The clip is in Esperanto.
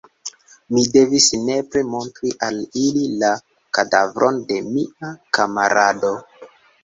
Mi devis nepre montri al ili la kadavron de mia kamarado.